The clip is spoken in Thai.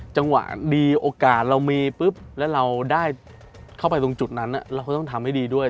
จังหวะดีโอกาสเรามีปุ๊บแล้วเราได้เข้าไปตรงจุดนั้นเราก็ต้องทำให้ดีด้วย